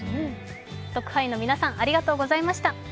特派員の皆さん、ありがとうございました。